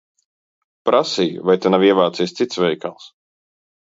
Prasīju, vai te nav ievācies cits veikals.